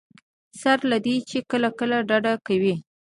سره له دې چې کله کله ډډه کوي.